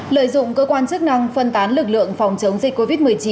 lợi dụng cơ quan chức năng phân tán lực lượng phòng chống dịch covid một mươi chín